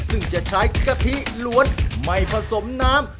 ซึ่งจะใช้กะทิล้วนไม่ผสมน้ำ